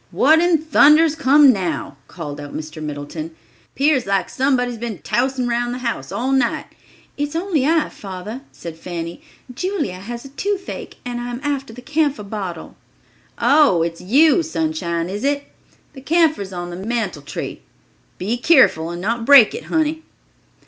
"What in thunder's come now?" called out Mr. Middleton. "'Pears like somebody's been tousing round the house all night." "It's only I, father," said Fanny. "Julia has the toothache, and I am after the camphor bottle." "Oh, it's you, Sunshine, is it? The camphire's on the mantletry. Be keerful and not break it, honey."